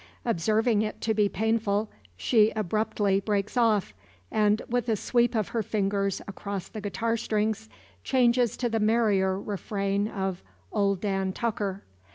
Observing it to be painful she abruptly breaks off, and with a sweep of her fingers across the guitar strings, changes to the merrier refrain of "Old Dan Tucker."